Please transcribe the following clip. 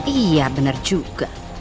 iya bener juga